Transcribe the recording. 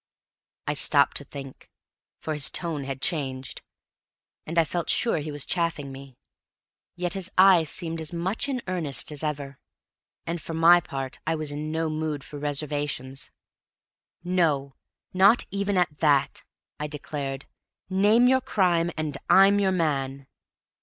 I stopped to think, for his tone had changed, and I felt sure he was chaffing me. Yet his eye seemed as much in earnest as ever, and for my part I was in no mood for reservations. "No, not even at that," I declared; "name your crime, and I'm your man."